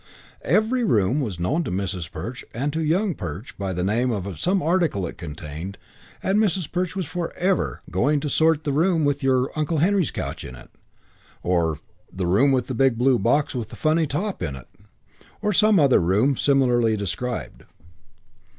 Every room was known to Mrs. Perch and to Young Perch by the name of some article it contained and Mrs. Perch was forever "going to sort the room with your Uncle Henry's couch in it", or "the room with the big blue box with the funny top in it", or some other room similarly described.